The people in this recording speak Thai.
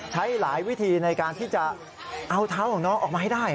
ใช้หลายวิธีในการที่จะเอาเท้าของน้องออกมาให้ได้